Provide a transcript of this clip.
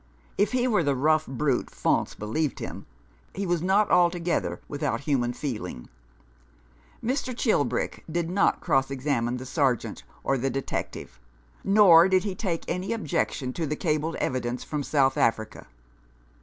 If he were the rough brute Faunce believed him, he was not altogether without human feeling. Mr. Chilbrick did not cross examine the Sergeant or the Detective, nor did he take any objection to the cabled evi dence from South Africa.